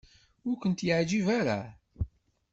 Ur kent-yeɛjib ara?